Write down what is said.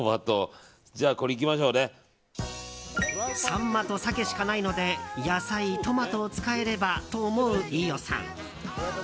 サンマと鮭しかないので野菜、トマトを使えればと思う飯尾さん。